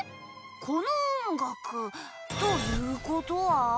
この音楽ということは。